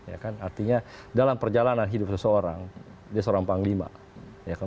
artinya dalam perjalanan hidup seseorang dia seorang panglima